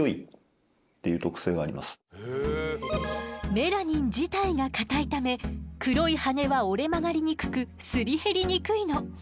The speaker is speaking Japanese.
メラニン自体が硬いため黒い羽は折れ曲がりにくくすり減りにくいの。